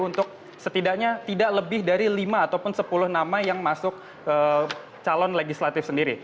untuk setidaknya tidak lebih dari lima ataupun sepuluh nama yang masuk calon legislatif sendiri